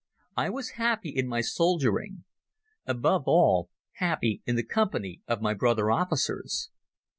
I was happy in my soldiering; above all, happy in the company of my brother officers.